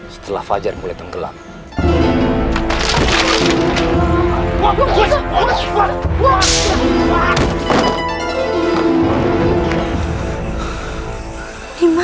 setelah fajar mulai tenggelam